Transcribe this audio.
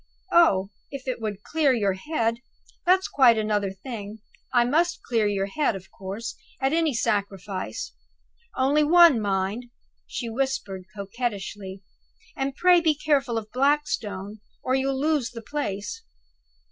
"Oh, if it would clear your head, that's quite another thing! I must clear your head, of course, at any sacrifice. Only one, mind," she whispered, coquettishly; "and pray be careful of Blackstone, or you'll lose the place."